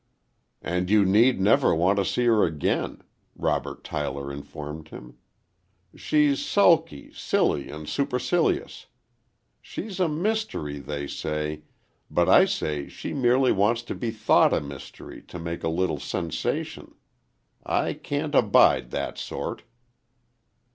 "And you need never want to see her again," Robert Tyler informed him. "She's sulky, silly and supercilious. She's a mystery, they say, but I say she merely wants to be thought a mystery to make a little sensation. I can't abide that sort."